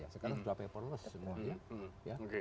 sekarang sudah paperless semuanya